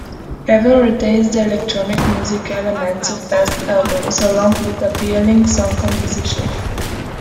"Haven" retains the electronic music elements of past albums, along with appealing song composition.